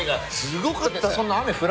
すごかった。